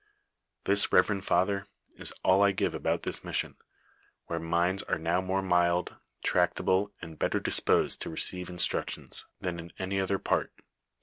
"This, rev. father, is all I give about this mission, where minds are now more mild, tractable, and better disposed to receive instructions, than in any other part.